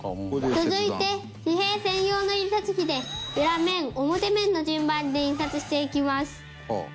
続いて紙幣専用の印刷機で裏面表面の順番で印刷していきます。